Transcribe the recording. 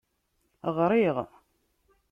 Ɣṛiɣ.